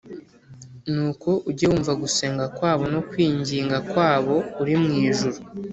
nuko ujye wumva gusenga kwabo no kwinginga kwabo uri mu ijuru,